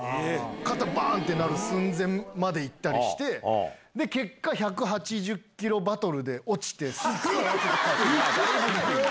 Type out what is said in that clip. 肩ばーんってなる寸前までいったりして、結果、１８０キロバトルで落ちて。